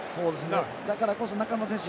だからこそ中の選手